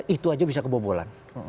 itu aja bisa kebobolan